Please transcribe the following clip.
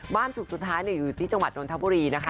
ฉุกสุดท้ายอยู่ที่จังหวัดนทบุรีนะคะ